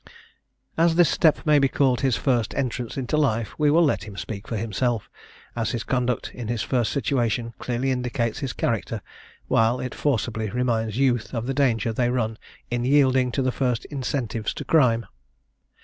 As this step may be called his first entrance into life, we will let him speak for himself, as his conduct in his first situation clearly indicates his character, while it forcibly reminds youth of the danger they run in yielding to the first incentives to crime.